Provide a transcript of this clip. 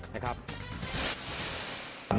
นะครับ